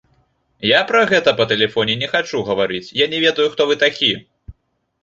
Я пра гэта па тэлефоне не хачу гаварыць, я не ведаю, хто вы такі.